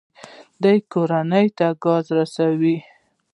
دوی کورونو ته ګاز رسوي.